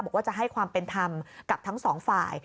บอกว่าจะให้ความเป็นธรรมกับทั้งสองฝ่าย